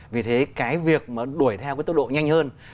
vì thế cái việc mà đuổi theo cái tốc độ nhanh hơn